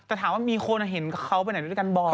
แต่ถามว่ามีคนเห็นเขาไปไหนด้วยกันบ่อย